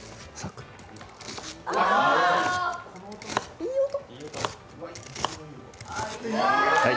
いい音！